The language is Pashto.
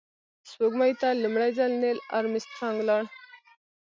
سپوږمۍ ته لومړی ځل نیل آرمسټرانګ لاړ